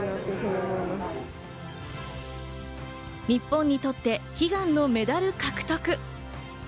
日本にとって悲願のメダル獲得へ。